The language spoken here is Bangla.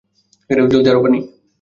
জলদি, আরো পানি!